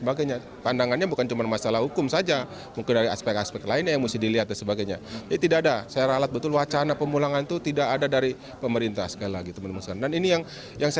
bapak komjen paul soehardi alius